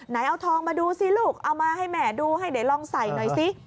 ไหนเอาทองมาดูสิลูกเอามาให้แม่ดูให้ไหนลองใส่หน่อยสิ